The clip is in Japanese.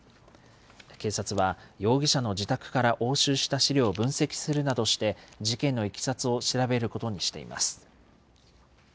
警察は容疑者の自宅から押収した資料を分析するなどして、事件のいきさつを調べることにしています。